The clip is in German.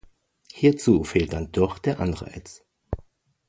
Hierzu fehlt dann doch der Anreiz.